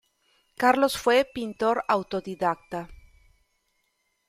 Carlos fue pintor autodidacta.